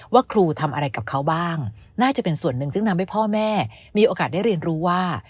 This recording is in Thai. ว่าครูทำอะไรกับเขาบ้างน่าจะเป็นส่วนหนึ่งซึ่งทำให้พ่อแม่มีโอกาสได้เรียนรู้ว่า